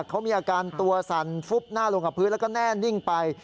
เขามีอาการตัวสั่นฟุบหน้าลงกับพื้นแล้วก็แน่นิ่งไป